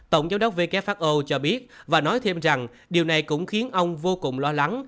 tổng giáo đốc wfo cho biết và nói thêm rằng điều này cũng khiến ông vô cùng lo lắng